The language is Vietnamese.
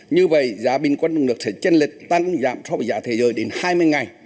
như vậy giá bình quân trong nước sẽ chân lệch tăng giảm so với giá thế giới đến hai mươi ngày